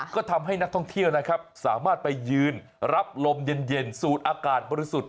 ก็ทำให้นักท่องเที่ยวนะครับสามารถไปยืนรับลมเย็นสูดอากาศบริสุทธิ์